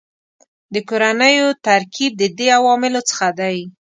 د کورنیو ترکیب د دې عواملو څخه دی